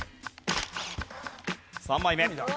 ３枚目。